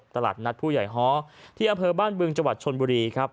ตลาดนัดผู้ใหญ่ฮ้อที่อำเภอบ้านบึงจวัตรชนบุรี